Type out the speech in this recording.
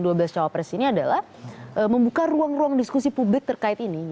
dan yang paling penting bagi cawa pres ini adalah membuka ruang ruang diskusi publik terkait ini